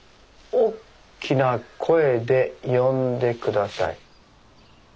おっきな声で呼んで下さい！」。